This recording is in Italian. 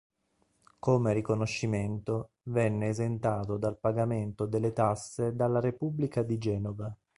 Come riconoscimento venne esentato dal pagamento delle tasse dalla Repubblica di Genova.